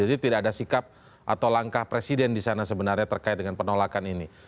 tidak ada sikap atau langkah presiden di sana sebenarnya terkait dengan penolakan ini